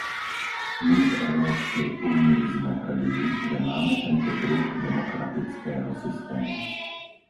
My v Európskej únii sme hrdí, že máme tento druh demokratického systému.